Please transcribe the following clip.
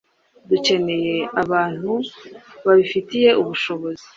dukeneye abantu babifitiye ubushobozi